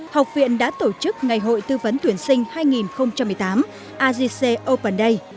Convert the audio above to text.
học viện đã tổ chức ngày hội tư vấn tuyển sinh hai nghìn một mươi tám agc open day